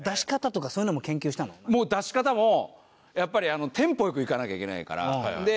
もう出し方もやっぱりテンポ良くいかなきゃいけないから。